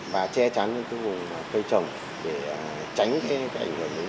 và che trắng cái vùng cây trồng để tránh cái ảnh hưởng đến